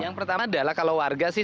yang pertama adalah kalau warga sih